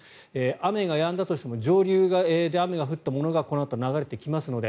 雨がやんだとしても上流で雨が降ったものがこのあと流れてきますので